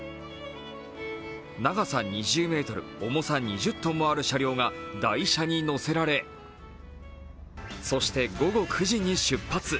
長さ２０ｍ、重さ２０ｔもある車両が台車に乗せられそして午後９時に出発。